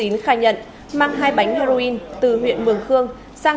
nhìn thẳng đây ạ